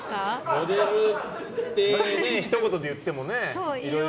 モデルってひと言で言ってもね。